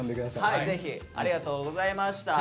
はいぜひありがとうございました。